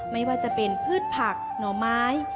ไม่ว่าจะเป็นพืชผักหน่อไม้